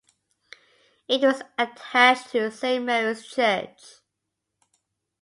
It was attached to Saint Mary's Church.